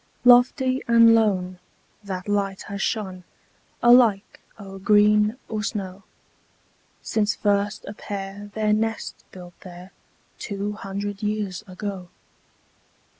Lofty and lone, that light has shone, Alike o'er green or snow, Since first a pair their nest built there, Two hundred years ago.